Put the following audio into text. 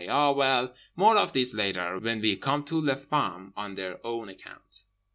Ah well, more of this later, when we come to les femmes on their own account.